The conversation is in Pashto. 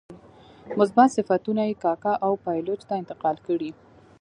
مثبت صفتونه یې کاکه او پایلوچ ته انتقال کړي.